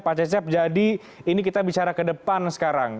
pak cecep jadi ini kita bicara ke depan sekarang